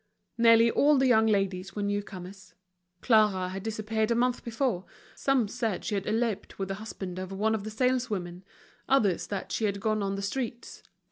Nearly all the young ladies were new comers. Clara had disappeared a month before, some said she had eloped with the husband of one of the saleswomen, others that she had gone on the streets.